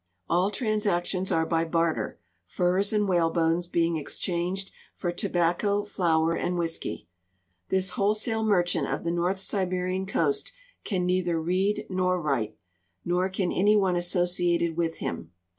All transactions are by barter, furs and whalebones being exchanged for tobacco, flour, and whisk\^ This wholesale merchant of the North Siberian coast can neither read nor write, nor can any one associated with him.